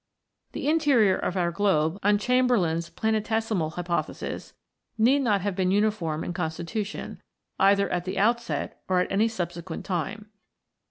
The interior of our globe, on Chamberlin's planetesimal hypothesis, need not have been uniform in constitution, either at the outset or at any subsequent time.